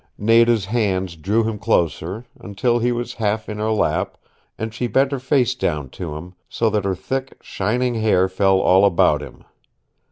Nada's hands drew him closer, until he was half in her lap, and she bent her face down to him, so that her thick, shining hair fell all about him.